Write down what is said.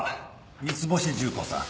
三ツ星重工さん